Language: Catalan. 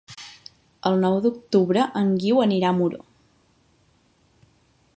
El nou d'octubre en Guiu anirà a Muro.